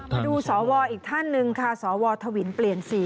มาดูสวอีกท่านหนึ่งค่ะสวทวินเปลี่ยนสี